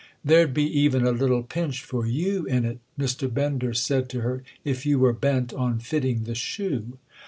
"There'd be even a little pinch for you in it," Mr. Bender said to her—"if you were bent on fitting the shoe!"